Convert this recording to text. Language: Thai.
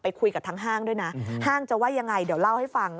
คุยกับทางห้างด้วยนะห้างจะว่ายังไงเดี๋ยวเล่าให้ฟัง